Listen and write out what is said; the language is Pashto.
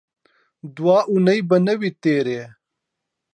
دوه اوونۍ به نه وې تېرې.